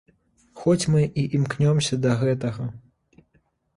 Хоць мы і імкнёмся да гэтага.